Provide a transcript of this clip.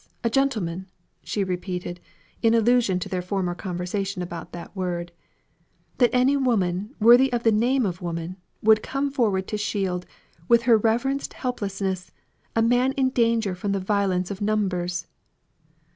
a gentleman," she repeated, in allusion to their former conversation about that word, "that any woman, worthy of the name of woman, would come forward to shield, with her reverenced helplessness, a man in danger from the violence of numbers."